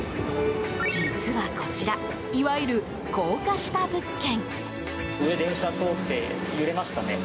実はこちらいわゆる高架下物件。